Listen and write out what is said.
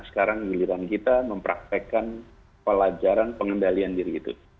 sekarang giliran kita mempraktekkan pelajaran pengendalian diri itu